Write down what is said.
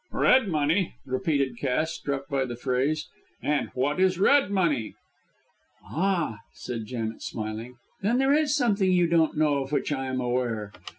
"Red money!" repeated Cass, struck by the phrase, "and what is red money?" "Ah!" said Janet, smiling, "then there is something you don't know of which I am aware.